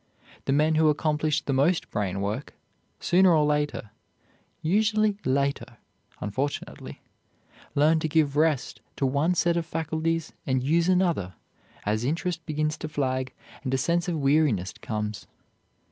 The men who accomplish the most brain work, sooner or later usually later, unfortunately learn to give rest to one set of faculties and use another, as interest begins to flag and a sense of weariness comes.